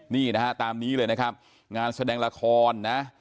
นี่นะฮะตามนี้เลยนะครับงานแสดงละครนะ